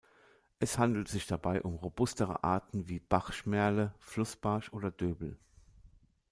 Es handelt sich dabei um robustere Arten wie Bachschmerle, Flussbarsch oder Döbel.